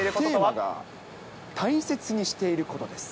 テーマが、大切にしていることです。